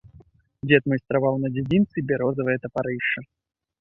Дзед майстраваў на дзядзінцы бярозавае тапарышча.